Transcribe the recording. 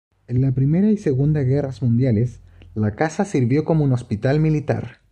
En la Primera y Segunda Guerras Mundiales, la casa sirvió como un hospital militar.